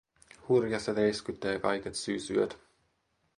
Hurja se räyskyttää kaiket syysyöt.